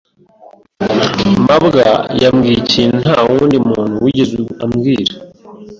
mabwa yambwiye ikintu ntawundi muntu wigeze ambwira.